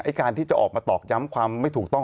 การที่จะออกมาตอกย้ำความไม่ถูกต้อง